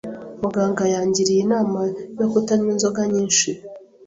Muganga yangiriye inama yo kutanywa inzoga nyinshi.